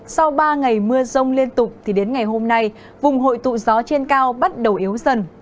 sau ba ngày mưa rông liên tục thì đến ngày hôm nay vùng hội tụ gió trên cao bắt đầu yếu dần